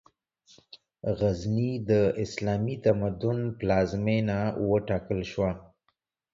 غزنی، د اسلامي تمدن پلازمېنه وټاکل شوه.